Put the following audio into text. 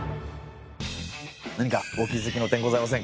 何かお気づきの点ございませんか？